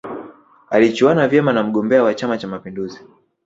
alichuana vyema na mgombea wa chama cha mapinduzi